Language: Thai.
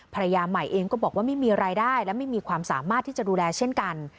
ภรรยาใหม่เองก็บอกว่าไม่มีรายได้และไม่มีความสามารถที่จะดูแลเช่นกัน